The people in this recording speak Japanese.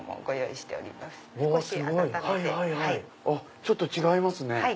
ちょっと違いますね。